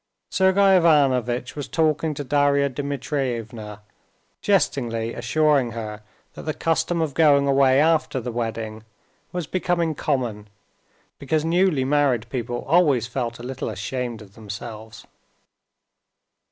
Sergey Ivanovitch was talking to Darya Dmitrievna, jestingly assuring her that the custom of going away after the wedding was becoming common because newly married people always felt a little ashamed of themselves.